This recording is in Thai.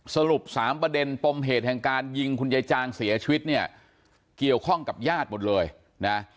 สรุปสามประเด็นปมเหตุแห่งการยิงคุณยายจางเสียชีวิตเนี่ยเกี่ยวข้องกับญาติหมดเลยนะ